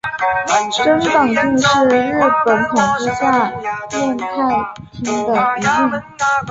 真冈郡是日本统治下桦太厅的一郡。